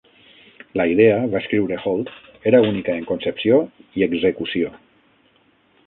La idea, va escriure Holt, era única en concepció i execució.